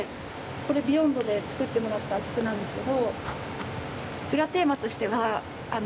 これ「ビヨンド」で作ってもらった曲なんですけど。